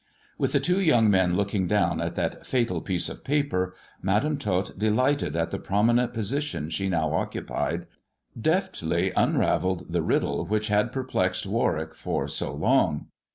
With the THE dwarf's chamber 155 two young men looking down at that fatal piece of paper, Madam Tot, delighted at the prominent position she now occupied, deftly unravelled the riddle which had perplexed Warwick for so long.